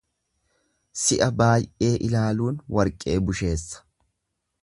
Si'a baay'ee ilaaluun warqee busheessa.